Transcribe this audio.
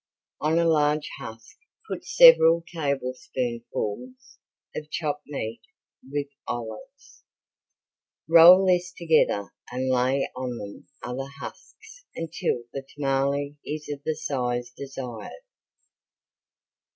On a large husk put several tablespoonfuls of chopped meat with olives. Roll this together and lay on them other husks until the tamale is of the size desired.